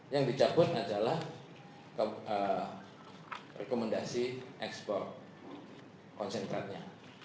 yang dicabut adalah rekomendasi ekspor konsentratnya